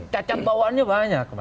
cacat bawaannya banyak